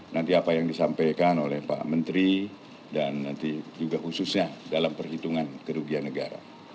nanti apa yang disampaikan oleh pak menteri dan nanti juga khususnya dalam perhitungan kerugian negara